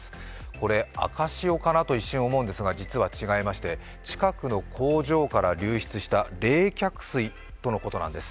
これ赤潮かなと一瞬思うんですが実は違いまして、近くの工場から流出した冷却水とのことなんです。